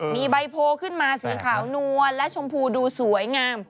มีใบโพขึ้นมาสีขาวนวลและชมพูดูสวยงาม